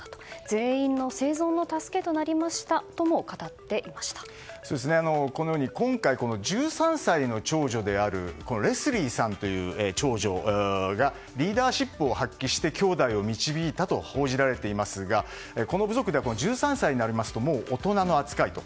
全員の生存の助けとなりましたとも今回、１３歳の長女であるレスリーさんという長女がリーダーシップを発揮してきょうだいを導いたと報じられていますがこの部族では１３歳になりますともう大人の扱いと。